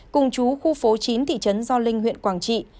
cùng chú khu phố chín thị trấn gio linh huyện quảng trị